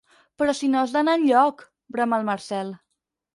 Però si no has d'anar enlloc! —brama el Marcel.